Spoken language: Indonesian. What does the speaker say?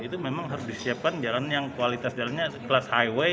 itu memang harus disiapkan jalan yang kualitas jalannya kelas highway